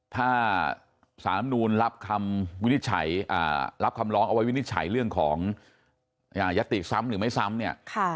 ถ้าสารร้ำนูนรับคำล้องเอาไว้วินิจฉัยเรื่องของยศติกษ์ซ้ำหรือไม่ซ้ำ